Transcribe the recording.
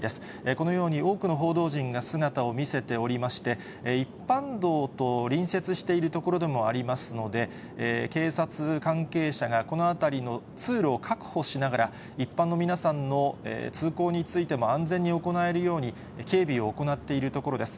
このように、多くの報道陣が姿を見せておりまして、一般道と隣接している所でもありますので、警察関係者がこの辺りの通路を確保しながら、一般の皆さんの通行についても安全に行えるように、警備を行っているところです。